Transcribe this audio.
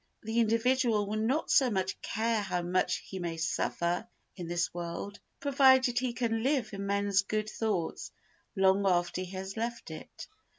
The individual will not so much care how much he may suffer in this world provided he can live in men's good thoughts long after he has left it.